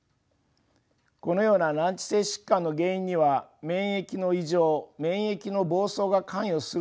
このような難治性疾患の原因には免疫の異常免疫の暴走が関与するとされています。